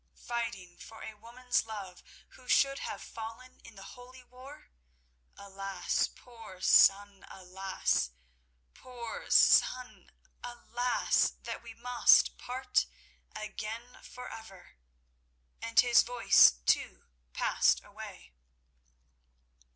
"Fighting for a woman's love who should have fallen in the Holy War? Alas! poor son; alas! poor son! Alas! that we must part again forever!" and his voice, too, passed away.